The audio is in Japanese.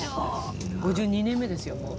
５２年目ですよ。